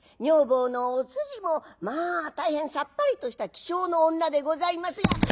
女房のおつじもまあ大変さっぱりとした気性の女でございますが。